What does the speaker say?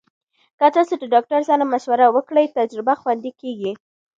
که تاسو د ډاکټر سره مشوره وکړئ، تجربه خوندي کېږي.